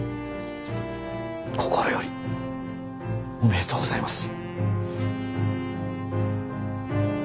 心よりおめでとうございます。